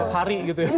hari gitu ya